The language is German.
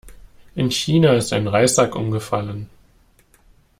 In China ist ein Reissack umgefallen.